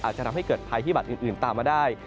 อาจจะทำให้เกิดภัยพิบัตรอื่นตามมาได้